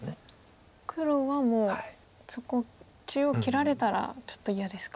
黒はもうそこ中央切られたらちょっと嫌ですか。